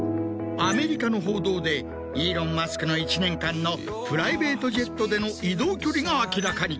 アメリカの報道でイーロン・マスクの１年間のプライベートジェットでの移動距離が明らかに。